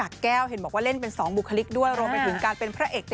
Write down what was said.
จริงหรอได้เหรอ